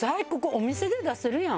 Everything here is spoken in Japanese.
お店で出せるやん。